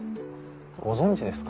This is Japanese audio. ご存じですか？